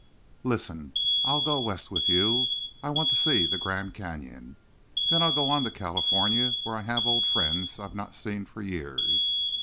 Listen. I'll go West with you. I want to see the Grand Canyon. Then I'll go on to California, where I have old friends I've not seen for years.